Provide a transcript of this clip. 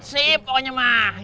sip pokoknya mah